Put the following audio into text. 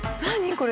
これ。